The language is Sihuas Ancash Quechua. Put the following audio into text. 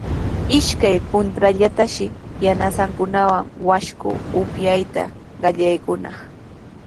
Ishkay puntrawllatanashi yanasankunawan washku upyayta qallaykunaq.